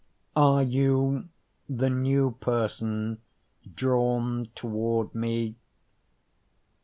Are You the New Person Drawn Toward Me?